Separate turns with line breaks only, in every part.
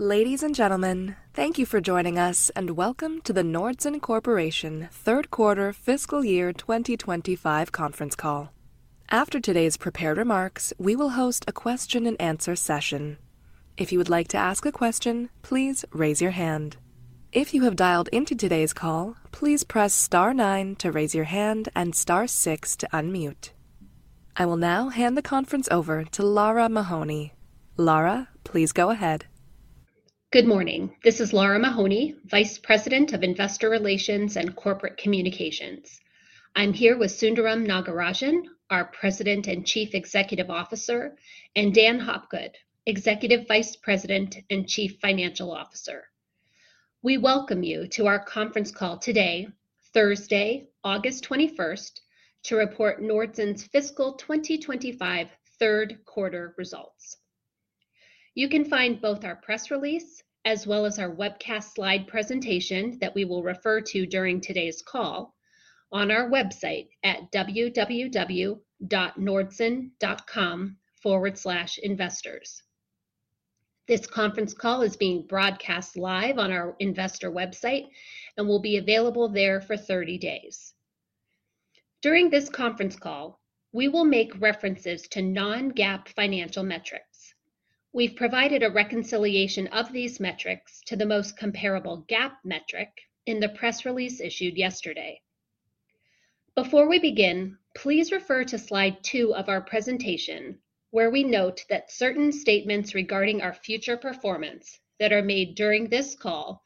Ladies and gentlemen, thank you for joining us and welcome to the Nordson Corporation Third Quarter Fiscal Year 2025 Conference Call. After today's prepared remarks, we will host a question-and-answer session. If you would like to ask a question, please raise your hand. If you have dialed into today's call, please press star nine to raise your hand and star six to unmute. I will now hand the conference over to Lara Mahoney. Lara, please go ahead.
Good morning. This is Lara Mahoney, Vice President of Investor Relations and Corporate Communications. I'm here with Sundaram Nagarajan, our President and Chief Executive Officer, and Dan Hopgood, Executive Vice President and Chief Financial Officer. We welcome you to our conference call today, Thursday, August 21st, to report Nordson's Fiscal 2025 Third Quarter Results. You can find both our press release as well as our webcast slide presentation that we will refer to during today's call on our website at www.nordson.com/investors. This conference call is being broadcast live on our investor website and will be available there for 30 days. During this conference call, we will make references to non-GAAP financial metrics. We've provided a reconciliation of these metrics to the most comparable GAAP metric in the press release issued yesterday. Before we begin, please refer to slide two of our presentation, where we note that certain statements regarding our future performance that are made during this call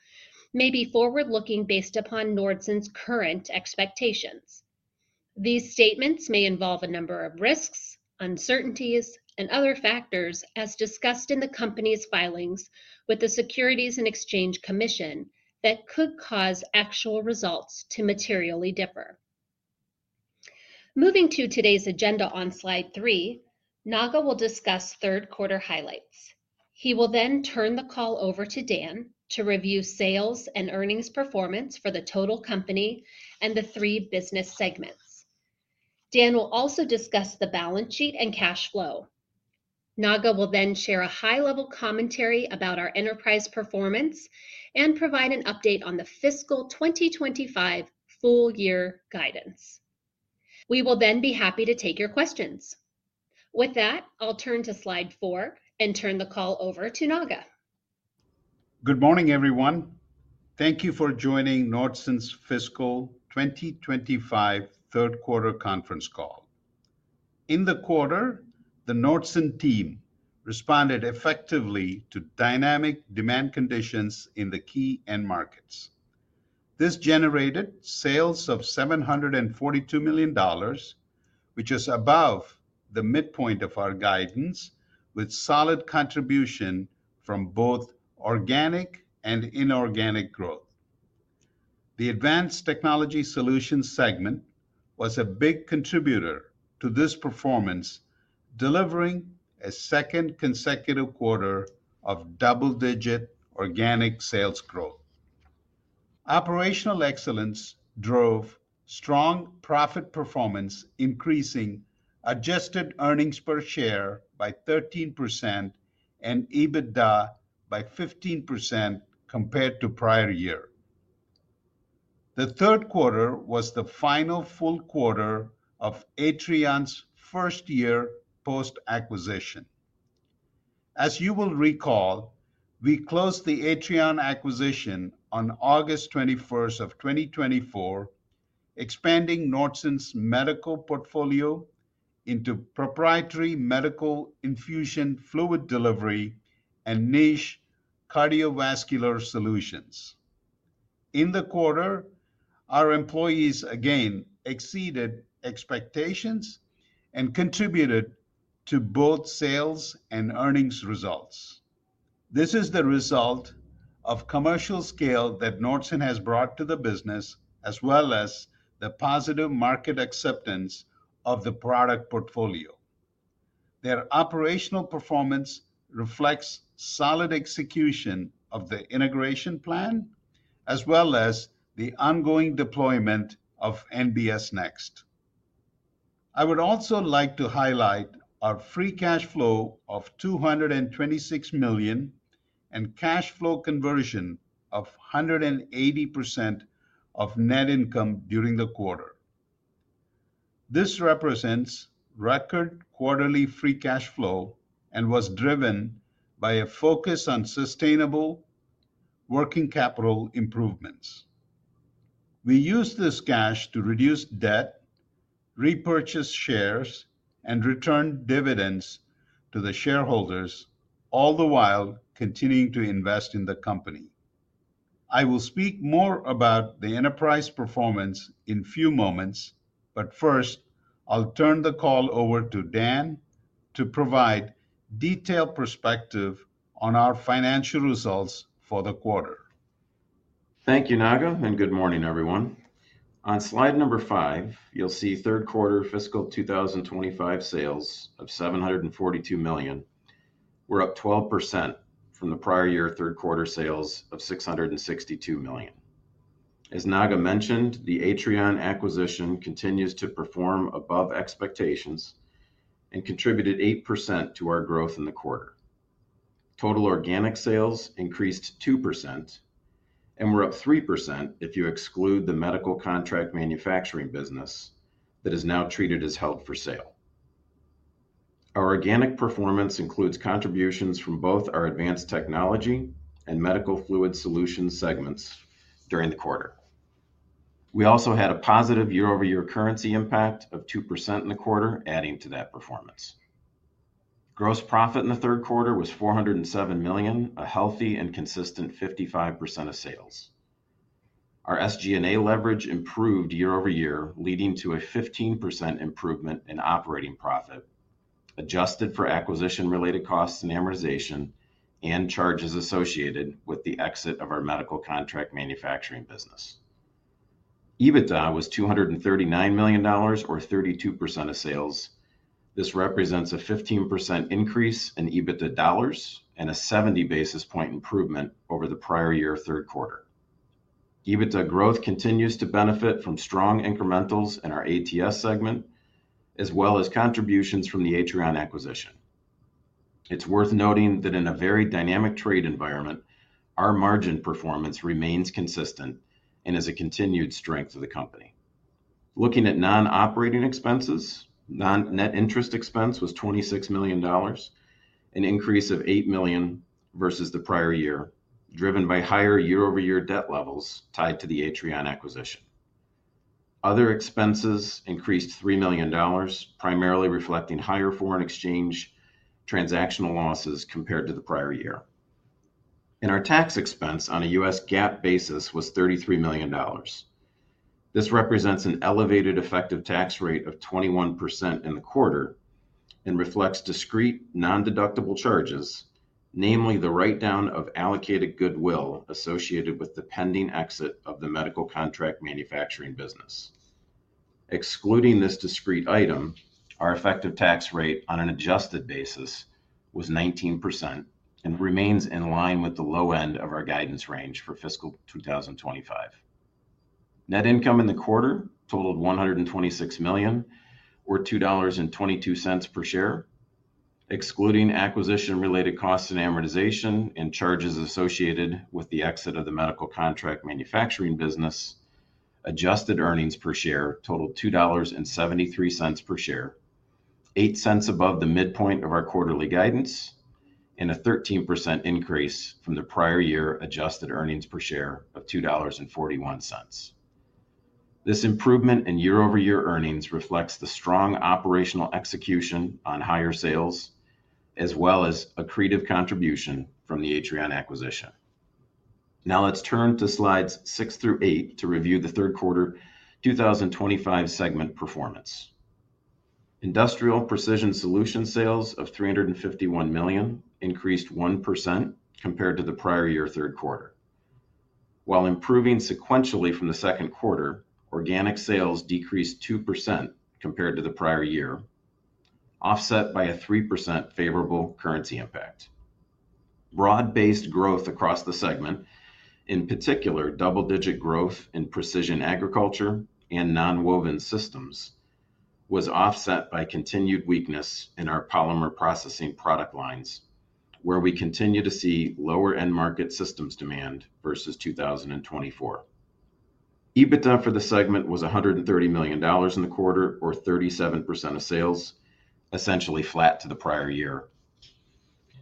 may be forward-looking based upon Nordson's current expectations. These statements may involve a number of risks, uncertainties, and other factors, as discussed in the company's filings with the Securities and Exchange Commission, that could cause actual results to materially differ. Moving to today's agenda on slide three, Naga will discuss third quarter highlights. He will then turn the call over to Dan to review sales and earnings performance for the total company and the three business segments. Dan will also discuss the balance sheet and cash flow. Naga will then share a high-level commentary about our enterprise performance and provide an update on the fiscal 2025 full-year guidance. We will then be happy to take your questions. With that, I'll turn to slide four and turn the call over to Naga.
Good morning, everyone. Thank you for joining Nordson's Fiscal 2025 Third Quarter Conference Call. In the quarter, the Nordson team responded effectively to dynamic demand conditions in the key end markets. This generated sales of $742 million, which is above the midpoint of our guidance, with solid contribution from both organic and inorganic growth. The advanced technology solutions segment was a big contributor to this performance, delivering a second consecutive quarter of double-digit organic sales growth. Operational excellence drove strong profit performance, increasing adjusted earnings per share by 13% and EBITDA by 15% compared to prior year. The third quarter was the final full quarter of Atrion's first year post-acquisition. As you will recall, we closed the Atrion acquisition on August 21st, 2024, expanding Nordson's medical portfolio into proprietary medical infusion fluid delivery and niche cardiovascular solutions. In the quarter, our employees again exceeded expectations and contributed to both sales and earnings results. This is the result of commercial scale that Nordson has brought to the business, as well as the positive market acceptance of the product portfolio. Their operational performance reflects solid execution of the integration plan, as well as the ongoing deployment of NBS Next. I would also like to highlight our free cash flow of $226 million and cash flow conversion of 180% of net income during the quarter. This represents record quarterly free cash flow and was driven by a focus on sustainable working capital improvements. We used this cash to reduce debt, repurchase shares, and return dividends to the shareholders, all the while continuing to invest in the company. I will speak more about the enterprise performance in a few moments, but first, I'll turn the call over to Dan to provide a detailed perspective on our financial results for the quarter.
Thank you, Naga, and good morning, everyone. On slide number five, you'll see third quarter fiscal 2025 sales of $742 million. We're up 12% from the prior year third quarter sales of $662 million. As Naga mentioned, the Atrion acquisition continues to perform above expectations and contributed 8% to our growth in the quarter. Total organic sales increased 2% and were up 3% if you exclude the medical contract manufacturing business that is now treated as held for sale. Our organic performance includes contributions from both our advanced technology and medical fluid solutions segments during the quarter. We also had a positive year-over-year currency impact of 2% in the quarter, adding to that performance. Gross profit in the third quarter was $407 million, a healthy and consistent 55% of sales. Our SG&A leverage improved year-over-year, leading to a 15% improvement in operating profit, adjusted for acquisition-related costs and amortization and charges associated with the exit of our medical contract manufacturing business. EBITDA was $239 million, or 32% of sales. This represents a 15% increase in EBITDA dollars and a 70 basis point improvement over the prior year third quarter. EBITDA growth continues to benefit from strong incrementals in our ATS segment, as well as contributions from the Atrion acquisition. It's worth noting that in a very dynamic trade environment, our margin performance remains consistent and is a continued strength of the company. Looking at non-operating expenses, net interest expense was $26 million, an increase of $8 million versus the prior year, driven by higher year-over-year debt levels tied to the Atrion acquisition. Other expenses increased $3 million, primarily reflecting higher foreign exchange transactional losses compared to the prior year. Our tax expense on a U.S. GAAP basis was $33 million. This represents an elevated effective tax rate of 21% in the quarter and reflects discrete non-deductible charges, namely the write-down of allocated goodwill associated with the pending exit of the medical contract manufacturing business. Excluding this discrete item, our effective tax rate on an adjusted basis was 19% and remains in line with the low end of our guidance range for fiscal 2025. Net income in the quarter totaled $126 million, or $2.22 per share. Excluding acquisition-related costs and amortization and charges associated with the exit of the medical contract manufacturing business, adjusted earnings per share totaled $2.73 per share, $0.08 above the midpoint of our quarterly guidance, and a 13% increase from the prior year adjusted earnings per share of $2.41. This improvement in year-over-year earnings reflects the strong operational execution on higher sales, as well as an accretive contribution from the Atrion acquisition. Now let's turn to slides six through eight to review the third quarter 2025 segment performance. Industrial Precision Solution sales of $351 million increased 1% compared to the prior year third quarter. While improving sequentially from the second quarter, organic sales decreased 2% compared to the prior year, offset by a 3% favorable currency impact. Broad-based growth across the segment, in particular double-digit growth in precision agriculture and nonwoven systems, was offset by continued weakness in our polymer processing product lines, where we continue to see lower end-market systems demand versus 2024. EBITDA for the segment was $130 million in the quarter, or 37% of sales, essentially flat to the prior year.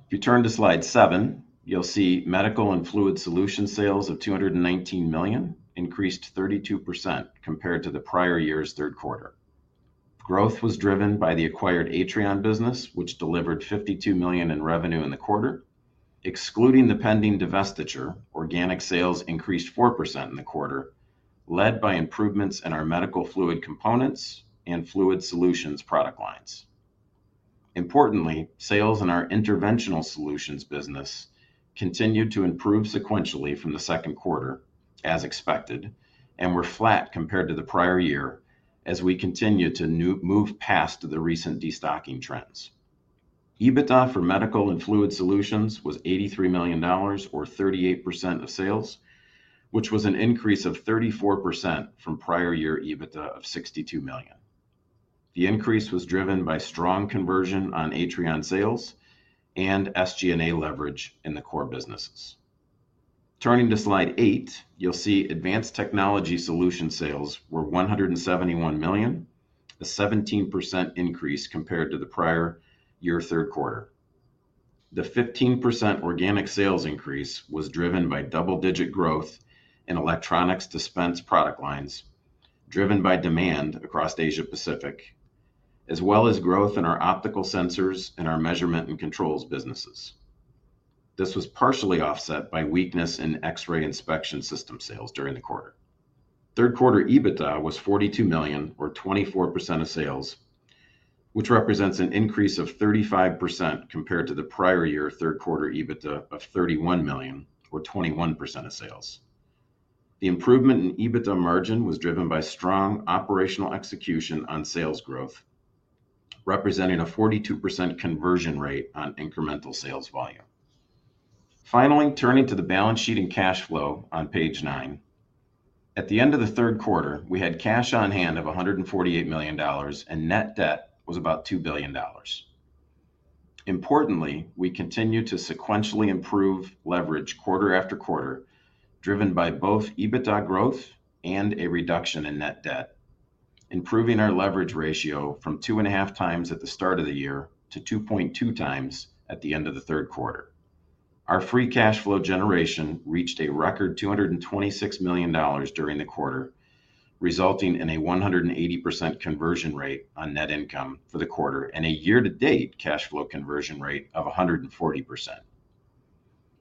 If you turn to slide seven, you'll see Medical and Fluid Solution sales of $219 million increased 32% compared to the prior year's third quarter. Growth was driven by the acquired Atrion business, which delivered $52 million in revenue in the quarter. Excluding the pending divestiture, organic sales increased 4% in the quarter, led by improvements in our medical fluid components and fluid solutions product lines. Importantly, sales in our interventional solutions business continued to improve sequentially from the second quarter, as expected, and were flat compared to the prior year as we continued to move past the recent destocking trends. EBITDA for Medical and Fluid Solutions was $83 million, or 38% of sales, which was an increase of 34% from prior year EBITDA of $62 million. The increase was driven by strong conversion on Atrion sales and SG&A leverage in the core businesses. Turning to slide eight, you'll see Advanced Technology Solution sales were $171 million, a 17% increase compared to the prior year third quarter. The 15% organic sales increase was driven by double-digit growth in electronics dispense product lines, driven by demand across Asia Pacific, as well as growth in our optical sensors and our measurement and controls businesses. This was partially offset by weakness in X-ray inspection system sales during the quarter. Third quarter EBITDA was $42 million, or 24% of sales, which represents an increase of 35% compared to the prior year third quarter EBITDA of $31 million, or 21% of sales. The improvement in EBITDA margin was driven by strong operational execution on sales growth, representing a 42% conversion rate on incremental sales volume. Finally, turning to the balance sheet and cash flow on page nine, at the end of the third quarter, we had cash on hand of $148 million and net debt was about $2 billion. Importantly, we continued to sequentially improve leverage quarter after quarter, driven by both EBITDA growth and a reduction in net debt, improving our leverage ratio from 2.5x at the start of the year to 2.2x at the end of the third quarter. Our free cash flow generation reached a record $226 million during the quarter, resulting in a 180% conversion rate on net income for the quarter and a year-to-date cash flow conversion rate of 140%.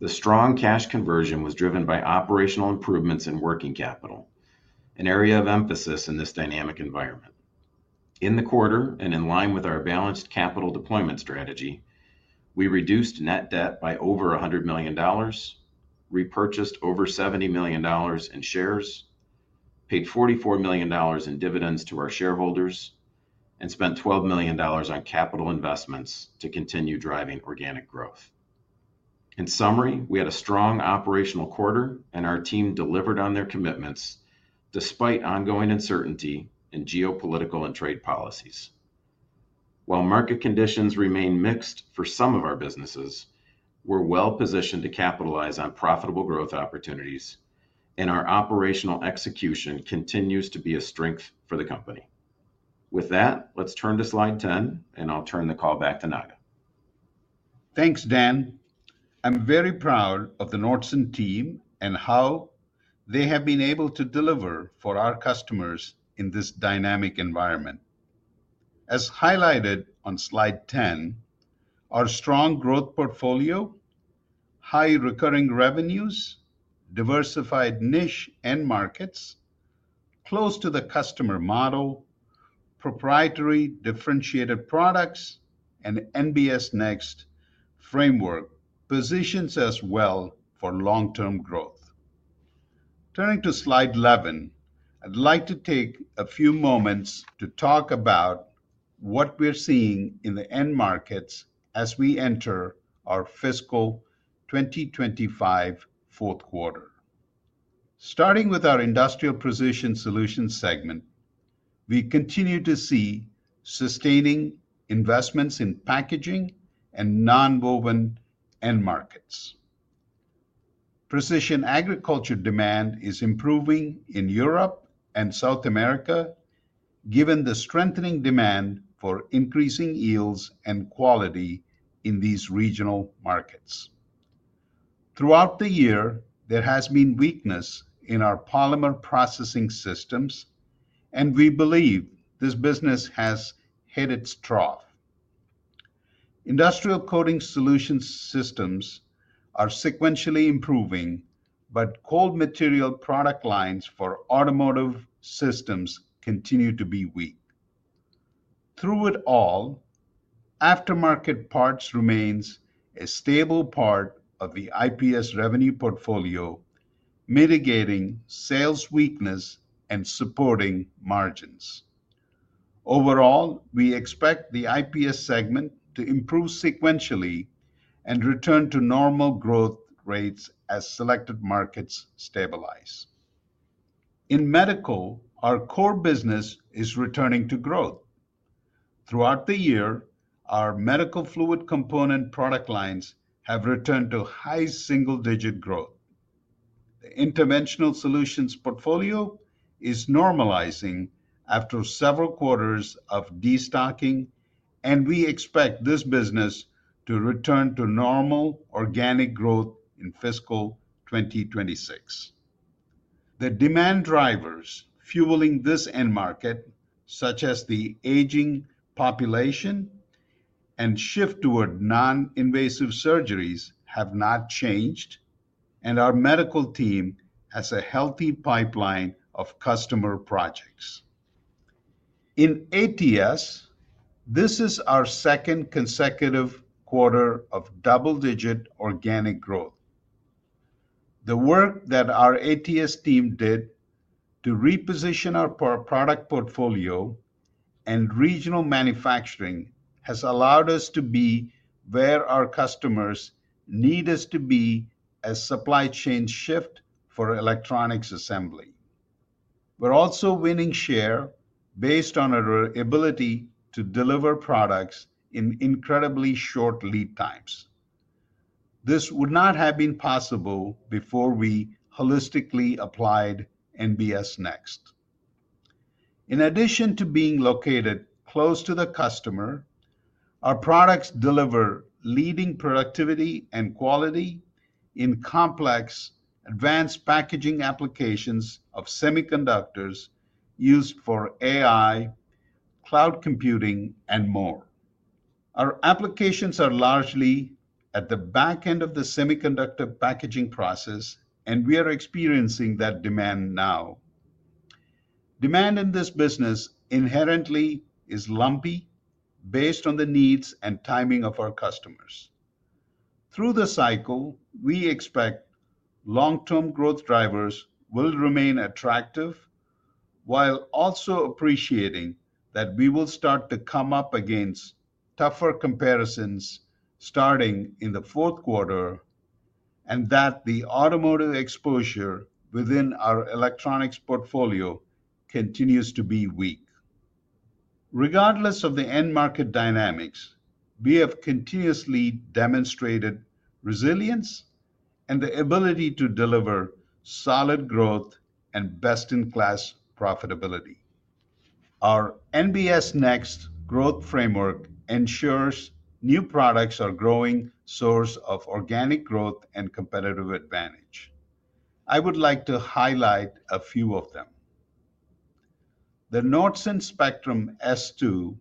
The strong cash conversion was driven by operational improvements in working capital, an area of emphasis in this dynamic environment. In the quarter and in line with our balanced capital deployment strategy, we reduced net debt by over $100 million, repurchased over $70 million in shares, paid $44 million in dividends to our shareholders, and spent $12 million on capital investments to continue driving organic growth. In summary, we had a strong operational quarter and our team delivered on their commitments despite ongoing uncertainty and geopolitical and trade policies. While market conditions remain mixed for some of our businesses, we're well positioned to capitalize on profitable growth opportunities, and our operational execution continues to be a strength for the company. With that, let's turn to slide 10, and I'll turn the call back to Naga.
Thanks, Dan. I'm very proud of the Nordson team and how they have been able to deliver for our customers in this dynamic environment. As highlighted on slide 10, our strong growth portfolio, high recurring revenues, diversified niche end markets, close to the customer model, proprietary differentiated products, and NBS Next framework positions us well for long-term growth. Turning to slide 11, I'd like to take a few moments to talk about what we're seeing in the end markets as we enter our fiscal 2025 fourth quarter. Starting with our Industrial Precision Solutions segment, we continue to see sustaining investments in packaging and nonwoven end markets. Precision agriculture demand is improving in Europe and South America, given the strengthening demand for increasing yields and quality in these regional markets. Throughout the year, there has been weakness in our polymer processing systems, and we believe this business has hit its trough. Industrial coating solution systems are sequentially improving, but cold material product lines for automotive systems continue to be weak. Through it all, aftermarket parts remain a stable part of the IPS revenue portfolio, mitigating sales weakness and supporting margins. Overall, we expect the IPS segment to improve sequentially and return to normal growth rates as selected markets stabilize. In medical, our core business is returning to growth. Throughout the year, our medical fluid component product lines have returned to high single-digit growth. The interventional solutions portfolio is normalizing after several quarters of destocking, and we expect this business to return to normal organic growth in fiscal 2026. The demand drivers fueling this end market, such as the aging population and shift toward non-invasive surgeries, have not changed, and our medical team has a healthy pipeline of customer projects. In ATS, this is our second consecutive quarter of double-digit organic growth. The work that our ATS team did to reposition our product portfolio and regional manufacturing has allowed us to be where our customers need us to be as supply chains shift for electronics assembly. We're also winning share based on our ability to deliver products in incredibly short lead times. This would not have been possible before we holistically applied NBS Next. In addition to being located close to the customer, our products deliver leading productivity and quality in complex, advanced packaging applications of semiconductors used for AI, cloud computing, and more. Our applications are largely at the back end of the semiconductor packaging process, and we are experiencing that demand now. Demand in this business inherently is lumpy based on the needs and timing of our customers. Through the cycle, we expect long-term growth drivers will remain attractive while also appreciating that we will start to come up against tougher comparisons starting in the fourth quarter and that the automotive exposure within our electronics portfolio continues to be weak. Regardless of the end market dynamics, we have continuously demonstrated resilience and the ability to deliver solid growth and best-in-class profitability. Our NBS Next growth framework ensures new products are a growing source of organic growth and competitive advantage. I would like to highlight a few of them. The Nordson Spectrum S2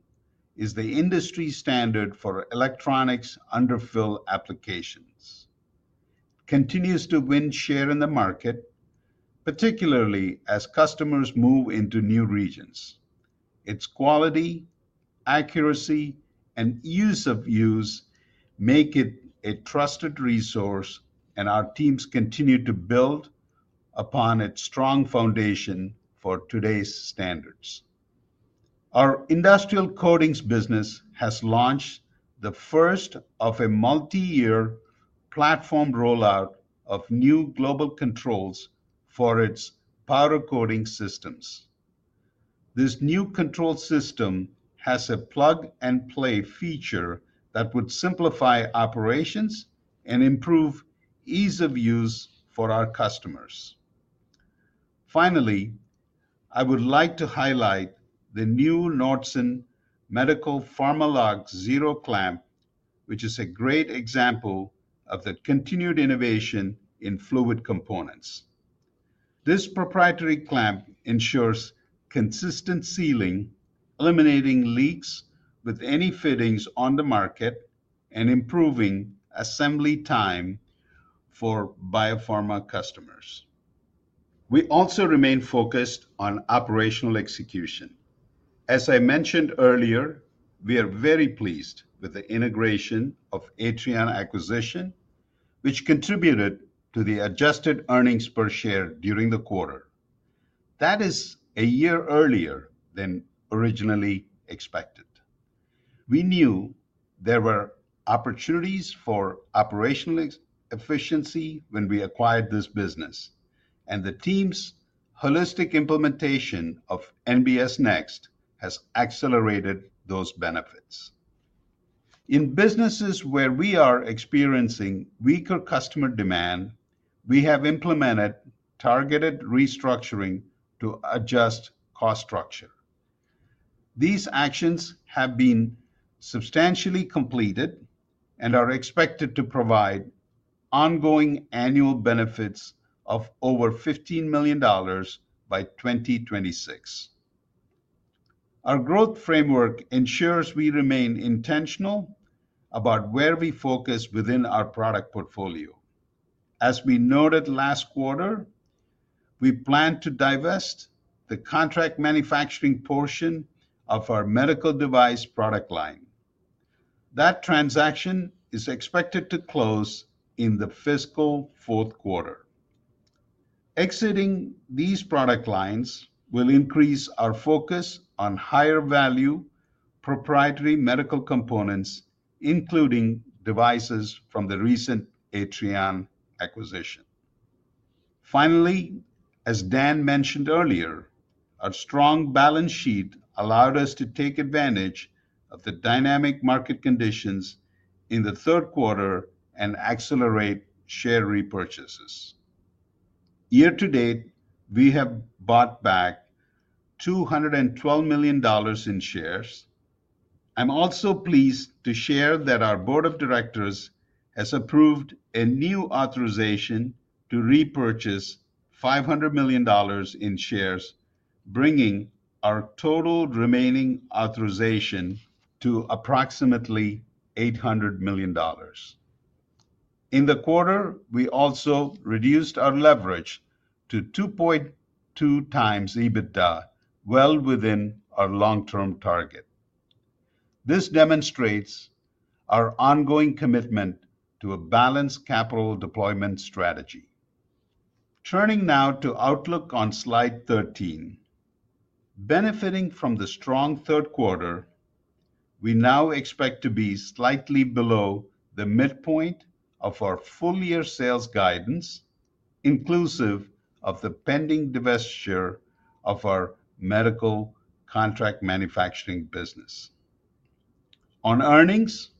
is the industry standard for electronics underfill applications. It continues to win share in the market, particularly as customers move into new regions. Its quality, accuracy, and ease of use make it a trusted resource, and our teams continue to build upon its strong foundation for today's standards. Our industrial coatings business has launched the first of a multi-year platform rollout of new global controls for its powder coating systems. This new control system has a plug-and-play feature that would simplify operations and improve ease of use for our customers. Finally, I would like to highlight the new Nordson MEDICAL PharmaLok Zero clamp, which is a great example of the continued innovation in fluid components. This proprietary clamp ensures consistent sealing, eliminating leaks with any fittings on the market, and improving assembly time for biopharma customers. We also remain focused on operational execution. As I mentioned earlier, we are very pleased with the integration of Atrion acquisition, which contributed to the adjusted earnings per share during the quarter. That is a year earlier than originally expected. We knew there were opportunities for operational efficiency when we acquired this business, and the team's holistic implementation of NBS Next has accelerated those benefits. In businesses where we are experiencing weaker customer demand, we have implemented targeted restructuring to adjust cost structure. These actions have been substantially completed and are expected to provide ongoing annual benefits of over $15 million by 2026. Our growth framework ensures we remain intentional about where we focus within our product portfolio. As we noted last quarter, we plan to divest the contract manufacturing portion of our medical device product line. That transaction is expected to close in the fiscal fourth quarter. Exiting these product lines will increase our focus on higher-value proprietary medical components, including devices from the recent Atrion acquisition. Finally, as Dan mentioned earlier, our strong balance sheet allowed us to take advantage of the dynamic market conditions in the third quarter and accelerate share repurchases. Year to date, we have bought back $212 million in shares. I'm also pleased to share that our board of directors has approved a new authorization to repurchase $500 million in shares, bringing our total remaining authorization to approximately $800 million. In the quarter, we also reduced our leverage to 2.2x EBITDA, well within our long-term target. This demonstrates our ongoing commitment to a balanced capital deployment strategy. Turning now to outlook on slide 13, benefiting from the strong third quarter, we now expect to be slightly below the midpoint of our full-year sales guidance, inclusive of the pending divestiture of our medical contract manufacturing business. On earnings,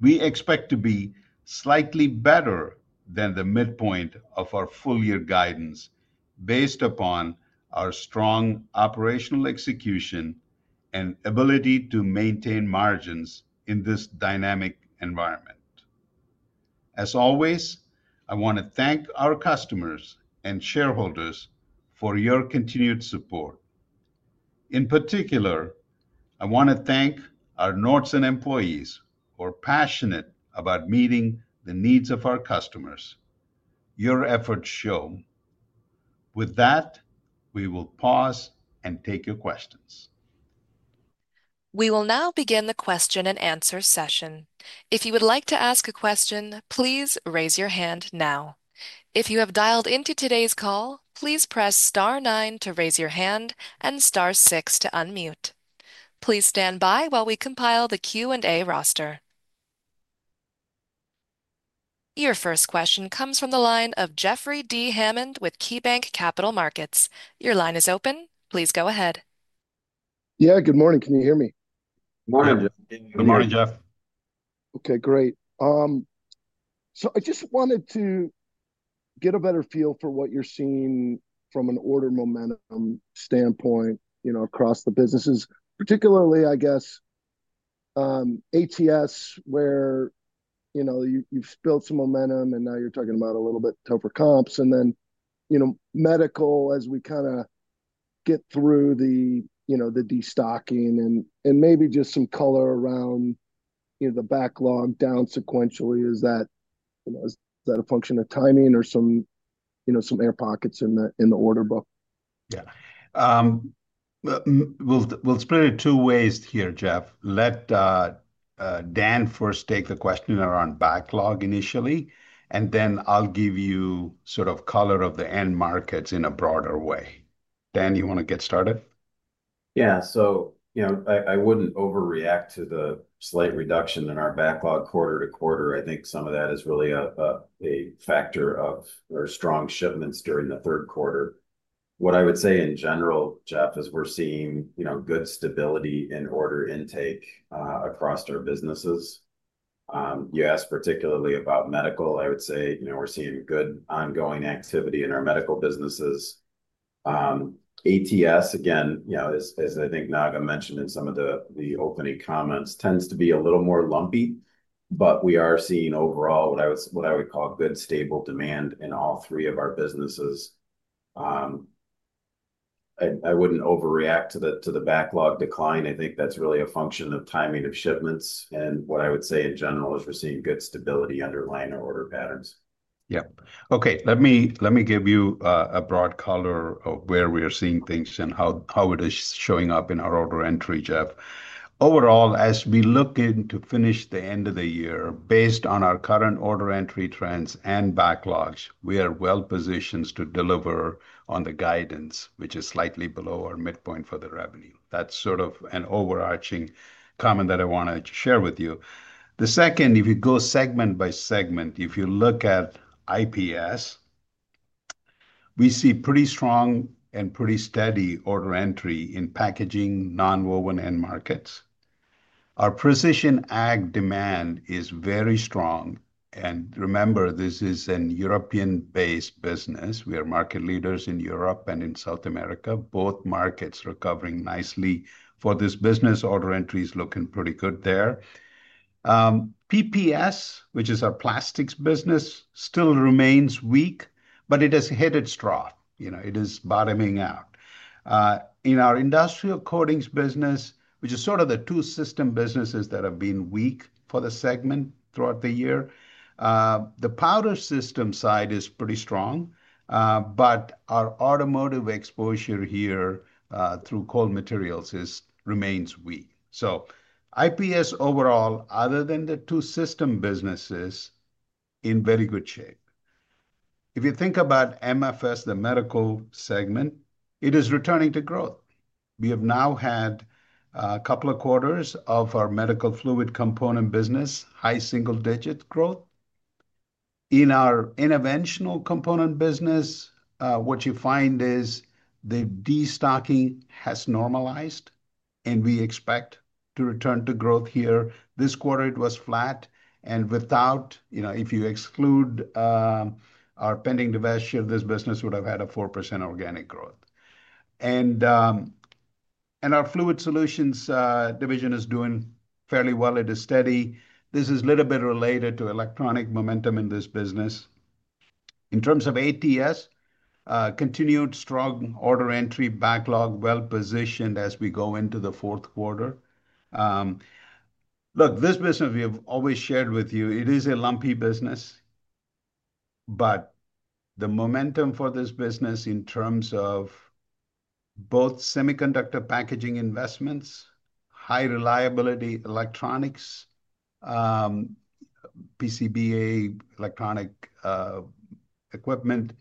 we expect to be slightly better than the midpoint of our full-year guidance based upon our strong operational execution and ability to maintain margins in this dynamic environment. As always, I want to thank our customers and shareholders for your continued support. In particular, I want to thank our Nordson employees who are passionate about meeting the needs of our customers. Your efforts show. With that, we will pause and take your questions.
We will now begin the question-and-answer session. If you would like to ask a question, please raise your hand now. If you have dialed into today's call, please press star nine to raise your hand and star six to unmute. Please stand by while we compile the Q&A roster. Your first question comes from the line of Jeffrey D. Hammond with KeyBanc Capital Markets. Your line is open. Please go ahead.
Yeah, good morning. Can you hear me?
Morning, Jeff.
Good morning, Jeff.
Okay, great. I just wanted to get a better feel for what you're seeing from an order momentum standpoint across the businesses, particularly, I guess, ATS, where you've built some momentum and now you're talking about a little bit tougher comps, and then medical as we kind of get through the destocking and maybe just some color around the backlog down sequentially. Is that a function of timing or some air pockets in the order book?
Yeah. We'll split it two ways here, Jeff. Let Dan first take the question around backlog initially, and then I'll give you sort of color of the end markets in a broader way. Dan, you want to get started?
Yeah, I wouldn't overreact to the slight reduction in our backlog quarter to quarter. I think some of that is really a factor of our strong shipments during the third quarter. What I would say in general, Jeff, is we're seeing good stability in order intake across our businesses. You asked particularly about medical. I would say we're seeing good ongoing activity in our medical businesses. ATS, again, as I think Naga mentioned in some of the opening comments, tends to be a little more lumpy, but we are seeing overall what I would call good stable demand in all three of our businesses. I wouldn't overreact to the backlog decline. I think that's really a function of timing of shipments. What I would say in general is we're seeing good stability in underlying order patterns.
Yeah. Okay, let me give you a broad color of where we are seeing things and how it is showing up in our order entry, Jeff. Overall, as we look in to finish the end of the year, based on our current order entry trends and backlogs, we are well positioned to deliver on the guidance, which is slightly below our midpoint for the revenue. That's sort of an overarching comment that I wanted to share with you. The second, if you go segment by segment, if you look at IPS, we see pretty strong and pretty steady order entry in packaging, nonwoven end markets. Our precision agriculture demand is very strong. Remember, this is a European-based business. We are market leaders in Europe and in South America. Both markets are recovering nicely for this business. Order entry is looking pretty good there. PPS, which is our plastics business, still remains weak, but it has hit its trough. It is bottoming out. In our industrial coatings business, which is sort of the two system businesses that have been weak for the segment throughout the year, the powder system side is pretty strong, but our automotive exposure here through cold materials remains weak. IPS overall, other than the two system businesses, is in very good shape. If you think about MFS, the medical segment, it is returning to growth. We have now had a couple of quarters of our medical fluid components business, high single-digit growth. In our interventional component business, what you find is the destocking has normalized, and we expect to return to growth here. This quarter it was flat, and if you exclude our pending divestiture, this business would have had a 4% organic growth. Our fluid solutions division is doing fairly well. It is steady. This is a little bit related to electronic momentum in this business. In terms of ATS, continued strong order entry backlog, well positioned as we go into the fourth quarter. This business we have always shared with you, it is a lumpy business, but the momentum for this business in terms of both semiconductor packaging investments, high reliability electronics, PCBA electronic equipment,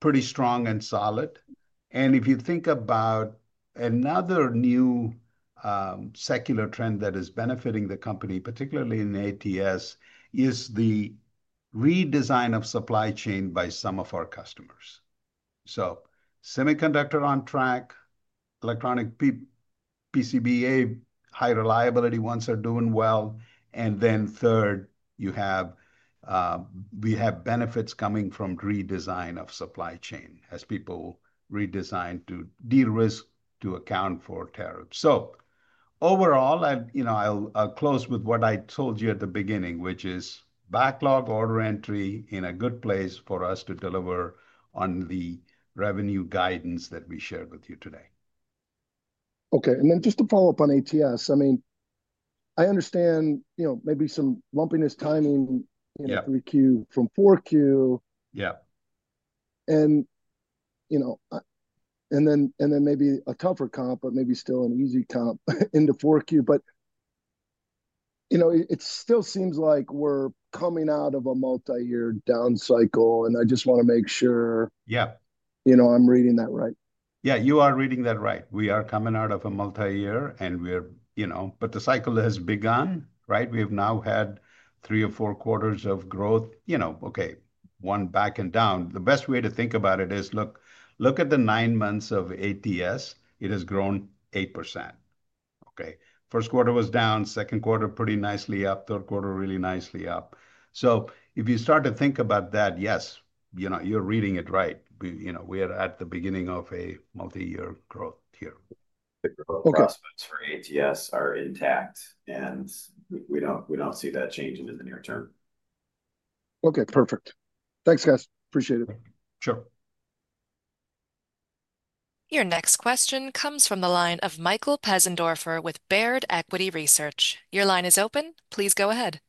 pretty strong and solid. If you think about another new secular trend that is benefiting the company, particularly in ATS, it is the redesign of supply chain by some of our customers. Semiconductor on track, electronic PCBA, high reliability ones are doing well. Third, we have benefits coming from redesign of supply chain as people redesign to de-risk, to account for tariffs. Overall, I'll close with what I told you at the beginning, which is backlog order entry in a good place for us to deliver on the revenue guidance that we shared with you today.
Okay, just to follow up on ATS, I mean, I understand, you know, maybe some lumpiness timing in the 3Q from 4Q.
Yeah.
It may be a tougher comp, but maybe still an easy comp in the 4Q. It still seems like we're coming out of a multi-year down cycle, and I just want to make sure.
Yeah.
You know I'm reading that, right?
Yeah, you are reading that right. We are coming out of a multi-year, and we are, you know, but the cycle has begun, right? We have now had three or four quarters of growth, you know, okay, one back and down. The best way to think about it is, look, look at the nine months of ATS. It has grown 8%. Okay, first quarter was down, second quarter pretty nicely up, third quarter really nicely up. If you start to think about that, yes, you know, you're reading it right. You know, we are at the beginning of a multi-year growth here.
Focus points for ATS are intact, and we don't see that changing in the near term.
Okay, perfect. Thanks, guys. Appreciate it.
Sure.
Your next question comes from the line of Michael Pesendorfer with Baird Equity Research. Your line is open. Please go ahead.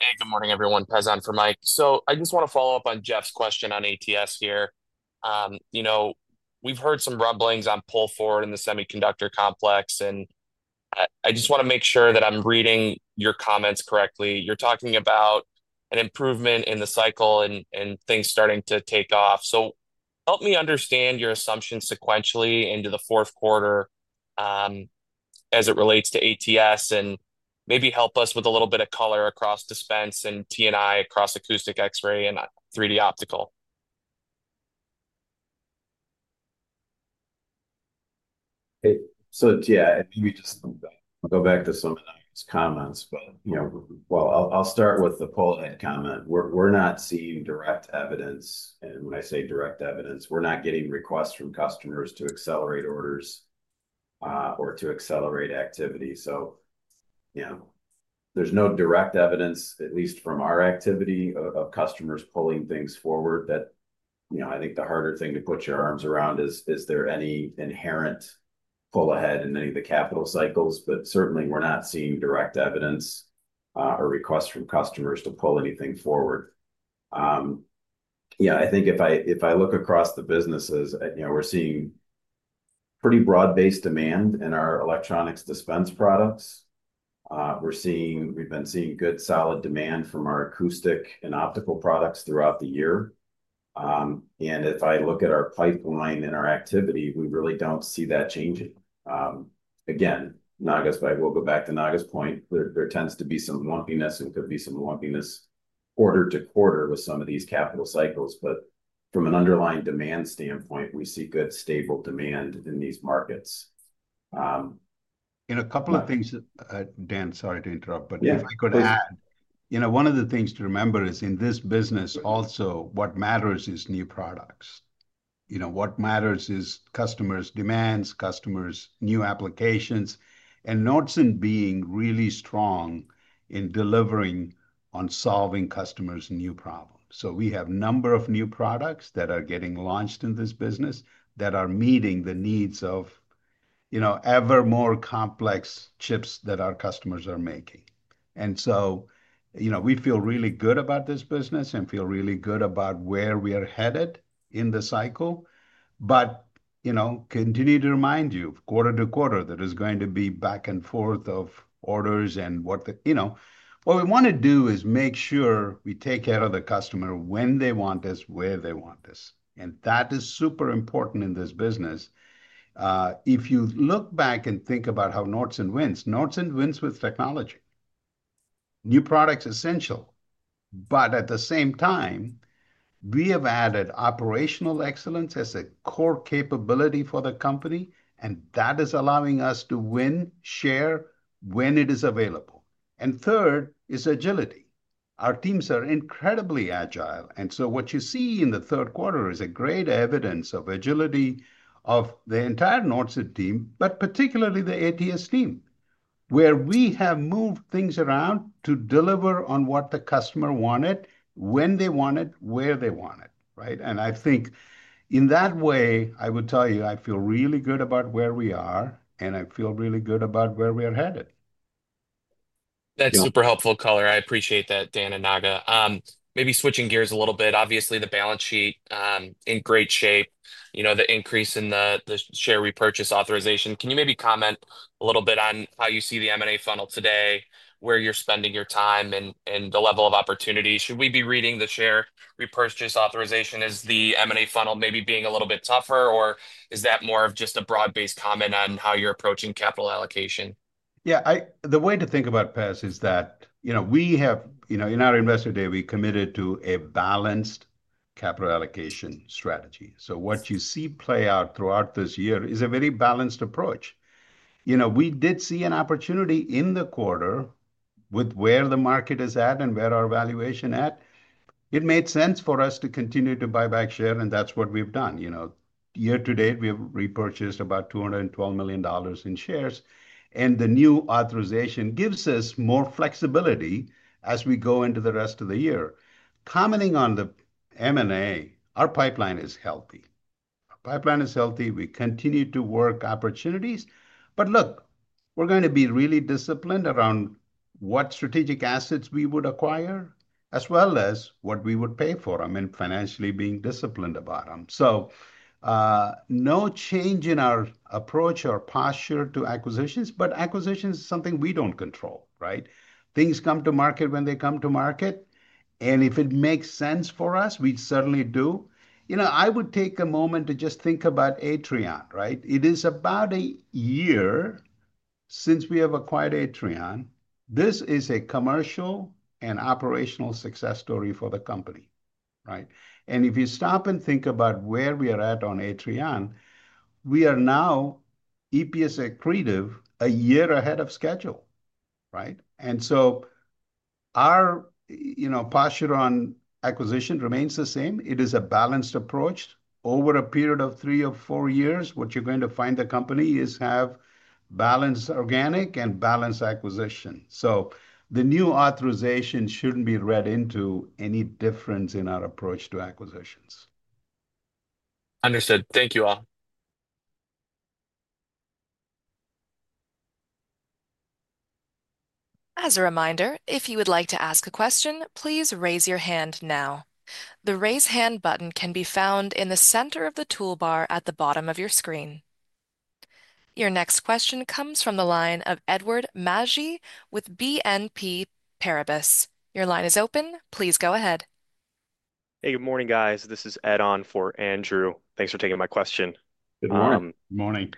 Hey, good morning everyone. Pez on for Mike. I just want to follow up on Jeff's question on ATS here. We've heard some rumblings on pull forward in the semiconductor complex, and I just want to make sure that I'm reading your comments correctly. You're talking about an improvement in the cycle and things starting to take off. Help me understand your assumption sequentially into the fourth quarter as it relates to ATS and maybe help us with a little bit of color across dispense and TNI across acoustic X-ray and 3D optical.
I think we just go back to some of those comments. I'll start with the pull ahead comment. We're not seeing direct evidence, and when I say direct evidence, we're not getting requests from customers to accelerate orders or to accelerate activity. There's no direct evidence, at least from our activity, of customers pulling things forward. I think the harder thing to put your arms around is, is there any inherent pull ahead in any of the capital cycles? Certainly, we're not seeing direct evidence or requests from customers to pull anything forward. If I look across the businesses, we're seeing pretty broad-based demand in our electronics dispense product lines. We've been seeing good solid demand from our acoustic and optical sensors throughout the year. If I look at our pipeline and our activity, we really don't see that changing. Again, I will go back to Naga's point. There tends to be some lumpiness and could be some lumpiness quarter to quarter with some of these capital cycles, but from an underlying demand standpoint, we see good stable demand in these markets.
A couple of things, Dan, sorry to interrupt, but if I could add, one of the things to remember is in this business, also what matters is new products. What matters is customers' demands, customers' new applications, and Nordson being really strong in delivering on solving customers' new problems. We have a number of new products that are getting launched in this business that are meeting the needs of ever more complex chips that our customers are making. We feel really good about this business and feel really good about where we are headed in the cycle. I continue to remind you quarter to quarter that there's going to be back and forth of orders and what we want to do is make sure we take care of the customer when they want us, where they want us. That is super important in this business. If you look back and think about how Nordson wins, Nordson wins with technology. New products are essential, but at the same time, we have added operational excellence as a core capability for the company, and that is allowing us to win share when it is available. Third is agility. Our teams are incredibly agile, and what you see in the third quarter is great evidence of agility of the entire Nordson team, particularly the ATS team, where we have moved things around to deliver on what the customer wanted, when they wanted, where they wanted, right? I think in that way, I would tell you, I feel really good about where we are, and I feel really good about where we are headed. That's super helpful color. I appreciate that, Dan and Naga. Maybe switching gears a little bit, obviously the balance sheet in great shape, you know, the increase in the share repurchase authorization. Can you maybe comment a little bit on how you see the M&A funnel today, where you're spending your time and the level of opportunity? Should we be reading the share repurchase authorization as the M&A funnel maybe being a little bit tougher, or is that more of just a broad-based comment on how you're approaching capital allocation? Yeah, the way to think about Pez is that, you know, we have, you know, in our investor day, we committed to a balanced capital allocation strategy. What you see play out throughout this year is a very balanced approach. We did see an opportunity in the quarter with where the market is at and where our valuation is at. It made sense for us to continue to buy back share, and that's what we've done. Year to date, we have repurchased about $212 million in shares, and the new authorization gives us more flexibility as we go into the rest of the year. Commenting on the M&A, our pipeline is healthy. Our pipeline is healthy. We continue to work opportunities, but look, we're going to be really disciplined around what strategic assets we would acquire, as well as what we would pay for them, and financially being disciplined about them. No change in our approach or posture to acquisitions, but acquisitions is something we don't control, right? Things come to market when they come to market, and if it makes sense for us, we certainly do. I would take a moment to just think about Atrion, right? It is about a year since we have acquired Atrion. This is a commercial and operational success story for the company, right? If you stop and think about where we are at on Atrion, we are now EPS accretive a year ahead of schedule, right? Our posture on acquisition remains the same. It is a balanced approach. Over a period of three or four years, what you're going to find the company is have balanced organic and balanced acquisition. The new authorization shouldn't be read into any difference in our approach to acquisitions. Understood. Thank you all.
As a reminder, if you would like to ask a question, please raise your hand now. The raise hand button can be found in the center of the toolbar at the bottom of your screen. Your next question comes from the line of Edward Magi with BNP Paribas. Your line is open. Please go ahead.
Hey, good morning guys. This is Ed on for Andrew. Thanks for taking my question.
Good morning.
Good morning.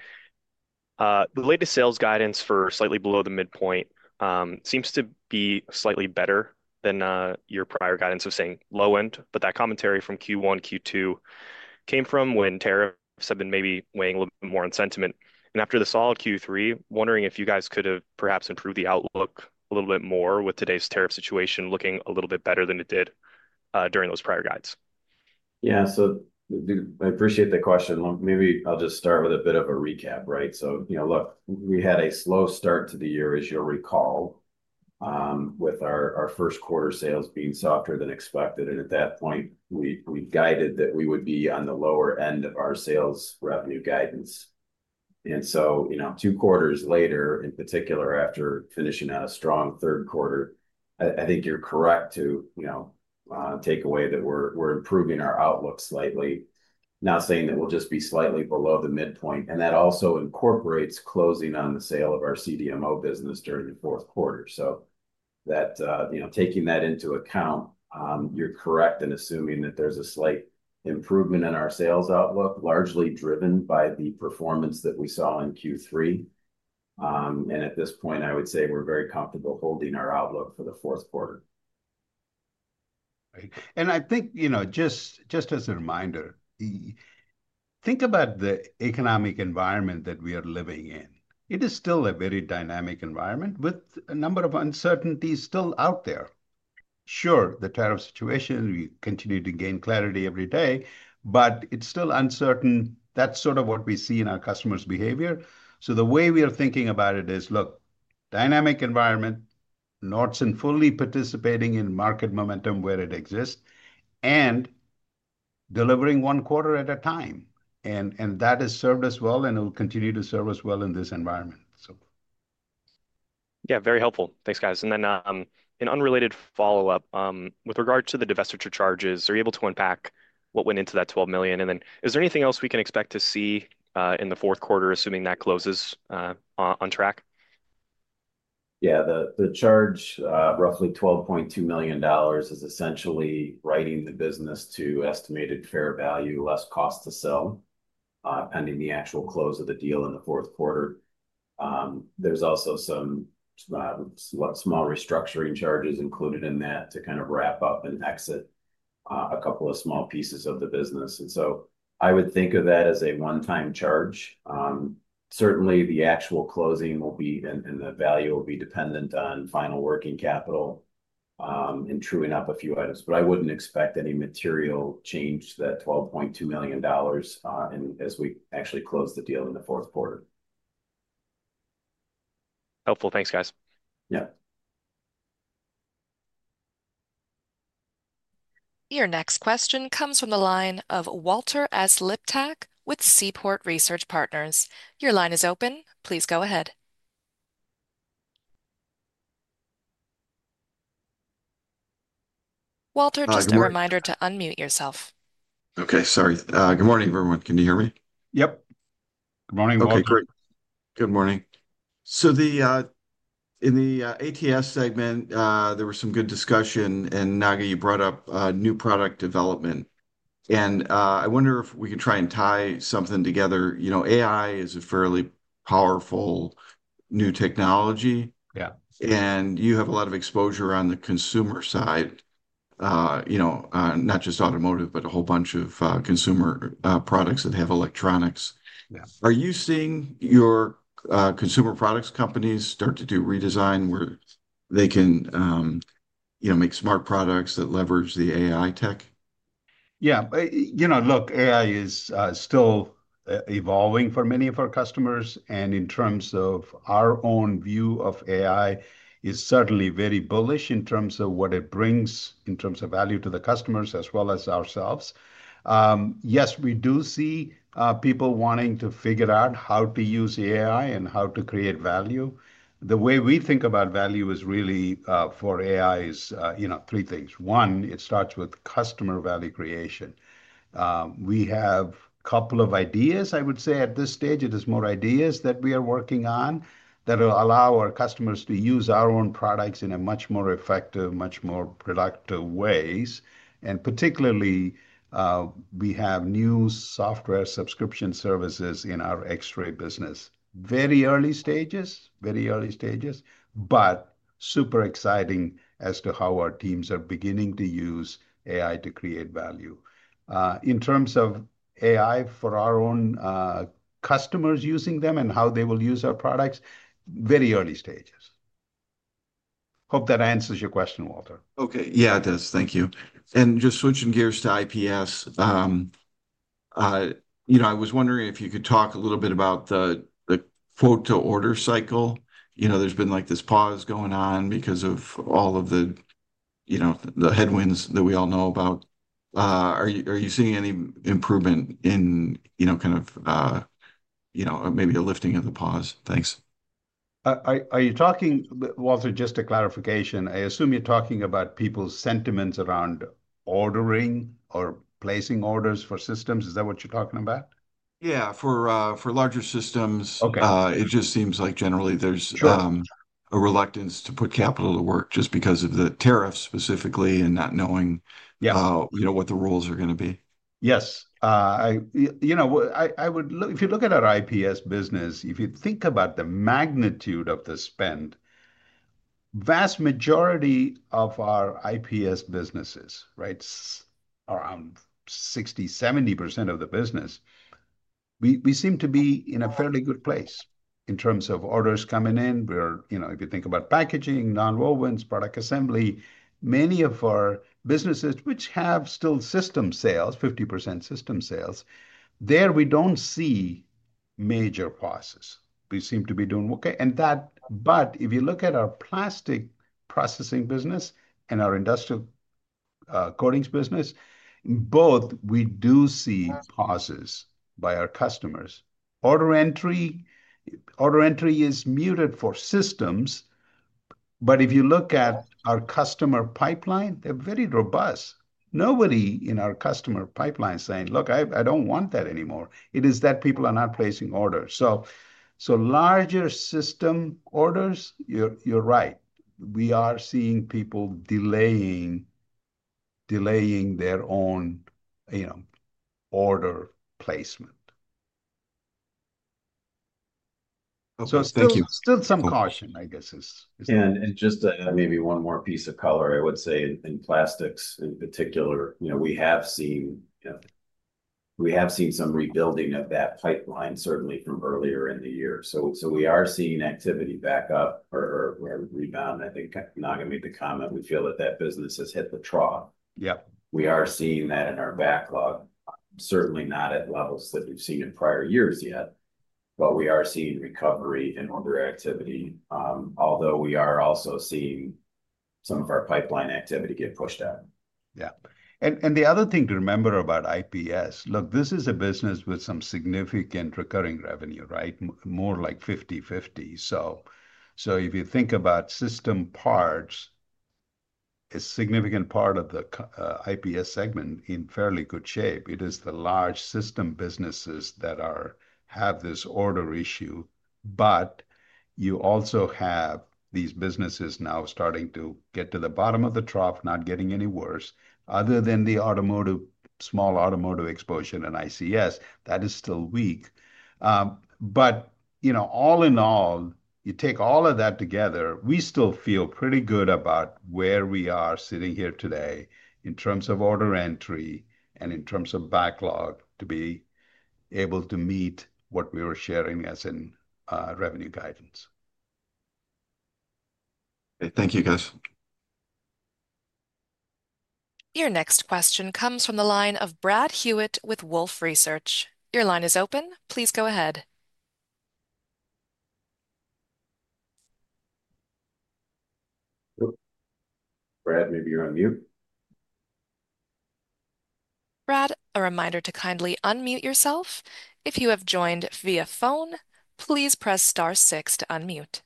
The latest sales guidance for slightly below the midpoint seems to be slightly better than your prior guidance of saying low end. That commentary from Q1, Q2 came from when tariffs have been maybe weighing a little bit more on sentiment. After the solid Q3, wondering if you guys could have perhaps improved the outlook a little bit more with today's tariff situation looking a little bit better than it did during those prior guides.
Yeah, I appreciate that question. Maybe I'll just start with a bit of a recap, right? We had a slow start to the year, as you'll recall, with our first quarter sales being softer than expected. At that point, we guided that we would be on the lower end of our sales revenue guidance. Two quarters later, in particular after finishing out a strong third quarter, I think you're correct to take away that we're improving our outlook slightly. Not saying that we'll just be slightly below the midpoint, and that also incorporates closing on the sale of our CDMO business during the fourth quarter. Taking that into account, you're correct in assuming that there's a slight improvement in our sales outlook, largely driven by the performance that we saw in Q3. At this point, I would say we're very comfortable holding our outlook for the fourth quarter.
I think, just as a reminder, think about the economic environment that we are living in. It is still a very dynamic environment with a number of uncertainties still out there. Sure, the tariff situation, we continue to gain clarity every day, but it's still uncertain. That is sort of what we see in our customers' behavior. The way we are thinking about it is, look, dynamic environment, Nordson fully participating in market momentum where it exists and delivering one quarter at a time. That has served us well, and it will continue to serve us well in this environment.
Yeah, very helpful. Thanks, guys. With regard to the divestiture charges, are you able to unpack what went into that $12 million? Is there anything else we can expect to see in the fourth quarter, assuming that closes on track?
Yeah, the charge, roughly $12.2 million, is essentially writing the business to estimated fair value, less cost to sell, pending the actual close of the deal in the fourth quarter. There are also some small restructuring charges included in that to kind of wrap up and exit a couple of small pieces of the business. I would think of that as a one-time charge. Certainly, the actual closing will be and the value will be dependent on final working capital and truing up a few items. I wouldn't expect any material change to that $12.2 million as we actually close the deal in the fourth quarter.
Helpful. Thanks, guys.
Yeah.
Your next question comes from the line of Walter S. Liptak with Seaport Research Partners. Your line is open. Please go ahead. Walter, just a reminder to unmute yourself.
Okay, sorry. Good morning, everyone. Can you hear me?
Yep.
Morning, Walter.
Okay, great.
Good morning.
In the ATS segment, there was some good discussion, and Naga, you brought up new product development. I wonder if we can try and tie something together. You know, AI is a fairly powerful new technology.
Yeah.
You have a lot of exposure on the consumer side, not just automotive, but a whole bunch of consumer products that have electronics.
Yeah.
Are you seeing your consumer products companies start to do redesign where they can, you know, make smart products that leverage the AI tech?
Yeah, you know, look, AI is still evolving for many of our customers, and in terms of our own view of AI, it's certainly very bullish in terms of what it brings, in terms of value to the customers as well as ourselves. Yes, we do see people wanting to figure out how to use AI and how to create value. The way we think about value is really for AI is, you know, three things. One, it starts with customer value creation. We have a couple of ideas, I would say at this stage, it is more ideas that we are working on that will allow our customers to use our own products in a much more effective, much more productive ways. Particularly, we have new software subscription services in our X-ray inspection systems business. Very early stages, very early stages, but super exciting as to how our teams are beginning to use AI to create value. In terms of AI for our own customers using them and how they will use our products, very early stages. Hope that answers your question, Walter.
Okay, yeah, it does. Thank you. Just switching gears to IPS, I was wondering if you could talk a little bit about the quote-to-order cycle. There's been this pause going on because of all of the headwinds that we all know about. Are you seeing any improvement in maybe a lifting of the pause? Thanks.
Are you talking, Walter, just a clarification? I assume you're talking about people's sentiments around ordering or placing orders for systems. Is that what you're talking about?
Yeah, for larger systems, it just seems like generally there's a reluctance to put capital to work just because of the tariffs specifically and not knowing what the rules are going to be.
Yes. If you look at our IPS business, if you think about the magnitude of the spend, the vast majority of our IPS business is, right, around 60%-70% of the business, we seem to be in a fairly good place in terms of orders coming in. If you think about packaging, nonwoven systems, product assembly, many of our businesses, which have still system sales, 50% system sales, there we don't see major pauses. We seem to be doing okay. If you look at our polymer processing business and our industrial coatings business, in both, we do see pauses by our customers. Order entry is muted for systems. If you look at our customer pipeline, they're very robust. Nobody in our customer pipeline is saying, "Look, I don't want that anymore." It is that people are not placing orders. Larger system orders, you're right. We are seeing people delaying their own order placement.
Okay, thank you.
Still some caution, I guess, is.
Maybe one more piece of color, I would say in plastics in particular, we have seen some rebuilding of that pipeline, certainly from earlier in the year. We are seeing activity back up or rebound. I think Naga made the comment, we feel that that business has hit the trough.
Yeah.
We are seeing that in our backlog, certainly not at levels that we've seen in prior years yet, but we are seeing recovery in order activity, although we are also seeing some of our pipeline activity get pushed out.
Yeah. The other thing to remember about IPS, look, this is a business with some significant recurring revenue, right? More like 50-50. If you think about system parts, a significant part of the IPS segment is in fairly good shape. It is the large system businesses that have this order issue, but you also have these businesses now starting to get to the bottom of the trough, not getting any worse, other than the small automotive exposure and ICS that is still weak. All in all, you take all of that together, we still feel pretty good about where we are sitting here today in terms of order entry and in terms of backlog to be able to meet what we were sharing as in revenue guidance.
Thank you, guys.
Your next question comes from the line of Brad Hewitt with Wolfe Research. Your line is open. Please go ahead.
Brad, maybe you're on mute?
Brad, a reminder to kindly unmute yourself. If you have joined via phone, please press star six to unmute.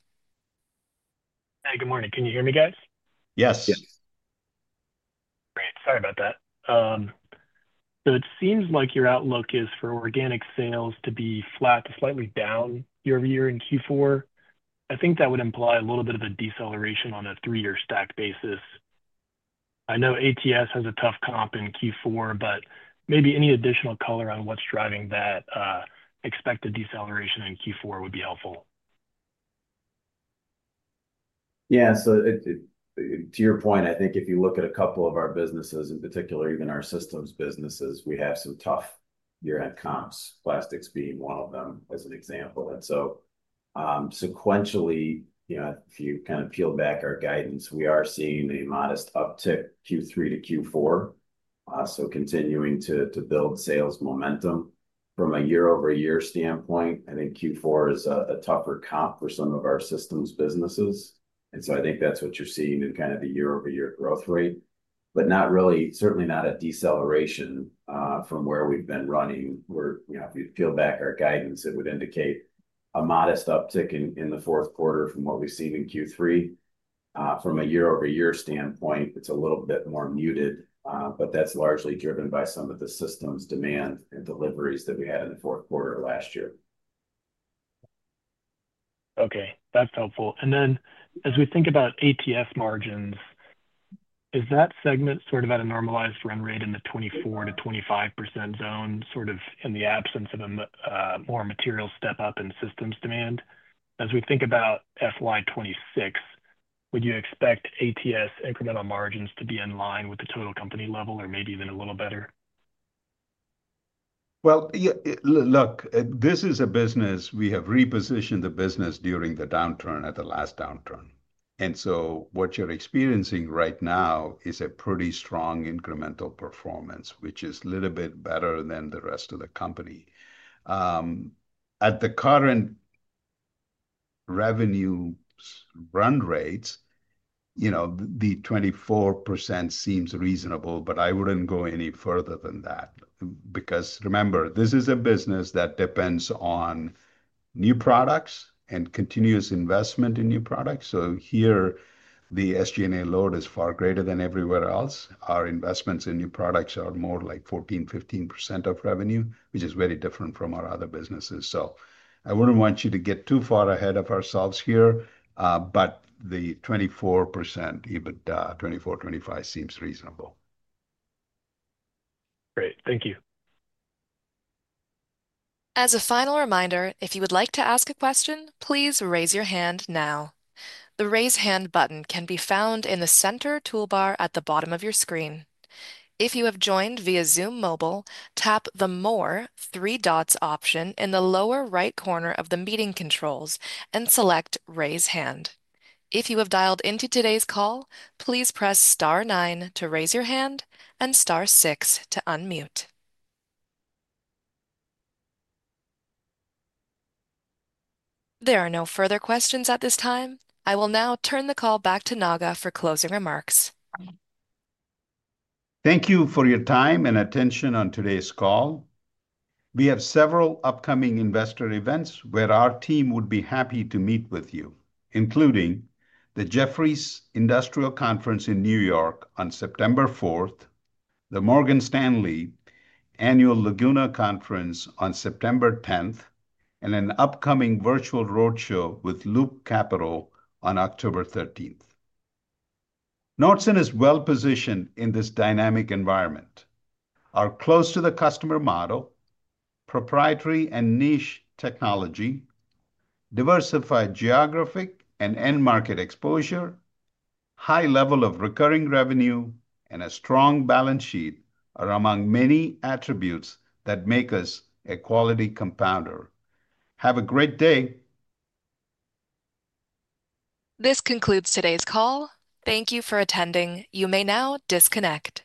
Hi, good morning. Can you hear me, guys?
Yes.
Great. Sorry about that. It seems like your outlook is for organic sales to be flat to slightly down year-over-year in Q4. I think that would imply a little bit of a deceleration on a three-year stack basis. I know ATS has a tough comp in Q4, but maybe any additional color on what's driving that expected deceleration in Q4 would be helpful.
Yeah, to your point, I think if you look at a couple of our businesses, in particular, even our systems businesses, we have some tough year-end comps, plastics being one of them as an example. Sequentially, if you kind of peel back our guidance, we are seeing a modest uptick Q3 to Q4, continuing to build sales momentum. From a year-over-year standpoint, I think Q4 is a tougher comp for some of our systems businesses. I think that's what you're seeing in the year-over-year growth rate. Not really, certainly not a deceleration from where we've been running where, if you peel back our guidance, it would indicate a modest uptick in the fourth quarter from what we've seen in Q3. From a year-over-year standpoint, it's a little bit more muted, but that's largely driven by some of the systems demand and deliveries that we had in the fourth quarter of last year.
Okay, that's helpful. As we think about ATS margins, is that segment sort of at a normalized run rate in the 24%-25% zone, sort of in the absence of a more material step-up in systems demand? As we think about FY 2026, would you expect ATS incremental margins to be in line with the total company level or maybe even a little better?
This is a business we have repositioned during the downturn at the last downturn. What you're experiencing right now is a pretty strong incremental performance, which is a little bit better than the rest of the company. At the current revenue run rates, the 24% seems reasonable, but I wouldn't go any further than that because remember, this is a business that depends on new products and continuous investment in new products. Here, the SG&A load is far greater than everywhere else. Our investments in new products are more like 14%, 15% of revenue, which is very different from our other businesses. I wouldn't want you to get too far ahead of ourselves here, but the 24% EBITDA, 24%, 25% seems reasonable.
Great, thank you.
As a final reminder, if you would like to ask a question, please raise your hand now. The raise hand button can be found in the center toolbar at the bottom of your screen. If you have joined via Zoom mobile, tap the more three dots option in the lower right corner of the meeting controls and select raise hand. If you have dialed into today's call, please press star nine to raise your hand and star six to unmute. There are no further questions at this time. I will now turn the call back to Naga for closing remarks.
Thank you for your time and attention on today's call. We have several upcoming investor events where our team would be happy to meet with you, including the Jefferies Industrial Conference in New York on September 4, the Morgan Stanley Annual Laguna Conference on September 10, and an upcoming virtual roadshow with Loop Capital on October 13. Nordson is well positioned in this dynamic environment. Our close-to-the-customer model, proprietary and niche technology, diversified geographic and end-market exposure, high level of recurring revenue, and a strong balance sheet are among many attributes that make us a quality compounder. Have a great day.
This concludes today's call. Thank you for attending. You may now disconnect.